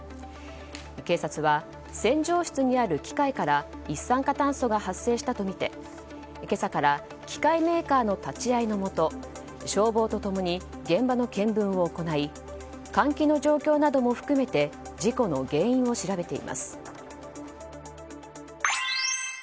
警察は、洗浄室にある機械から一酸化炭素が発生したとみて今朝から機械メーカーの立ち会いのもと消防と共に現場の見分を行い換気の状況なども含めて事故の原因を調べています。